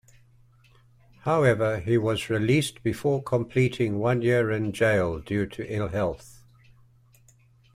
However, he was released before completing one year in jail due to ill health.